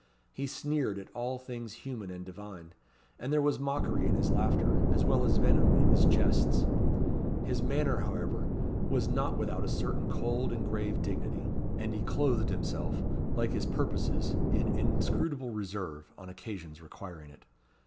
He sneered at all things human and divine; and there was mockery in his laughter, as well as venom in his jests. His manner, however, was not without a certain cold and grave dignity; and he clothed himself, like his purposes, in inscrutable reserve, on occasions requiring it.